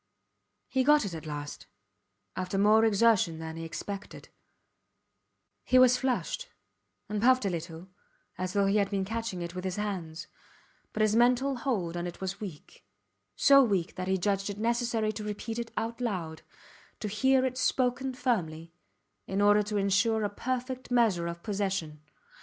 He got it at last, after more exertion than he expected; he was flushed and puffed a little as though he had been catching it with his hands, but his mental hold on it was weak, so weak that he judged it necessary to repeat it aloud to hear it spoken firmly in order to insure a perfect measure of possession.